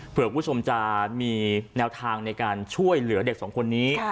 คุณผู้ชมจะมีแนวทางในการช่วยเหลือเด็กสองคนนี้